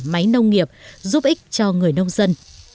máy nông nghiệp giúp ích cho người nông dân